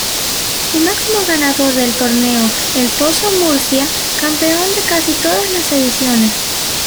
El máximo ganador del torneo es ElPozo Murcia, campeón de casi todas las ediciones.